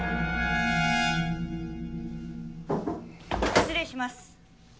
失礼します。